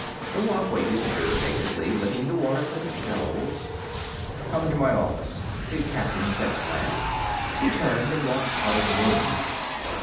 The wub waited good naturedly, licking the water from its jowls. "Come into my office," the Captain said at last. He turned and walked out of the room.